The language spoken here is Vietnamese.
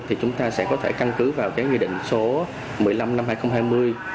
thì chúng ta sẽ có thể căn cứ vào cái nghị định số một mươi năm năm hai nghìn hai mươi